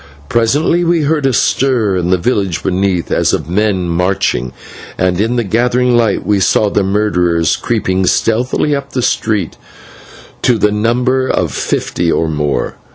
Presently we heard a stir in the village beneath, as of men marching, and in the gathering light we saw the murderers creeping stealthily up the street to the number of fifty or more.